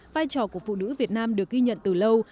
vai trò của phụ nữ việt nam được ghi nhận từ lâu